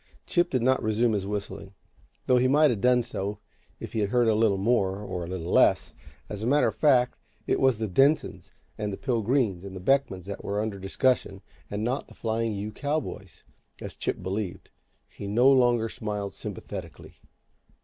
Chip did not resume his whistling, though he might have done so if he had heard a little more, or a little less. As a matter of fact, it was the Densons, and the Pilgreens, and the Beckmans that were under discussion, and not the Flying U cowboys, as Chip believed. He no longer smiled sympathetically.